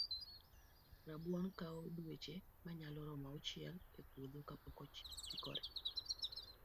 Rabuon kawo dueche manyalo romo auchiel e puodho ka pok oikore